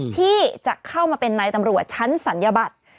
ที่จะเข้ามาเป็นนายตำรวจชั้นศัลยบัตร